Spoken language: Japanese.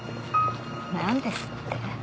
何ですって！？